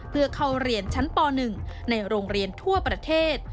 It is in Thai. เพื่อเข้าเรียนชั้นป๑ในโรงเรียนทั่วประเทศ